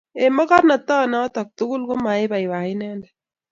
Eng mongornotit noto tuguk, komabaibai inendet